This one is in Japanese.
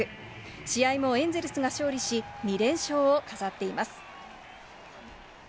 試合もエンゼルスが勝利し、２連勝を飾っています。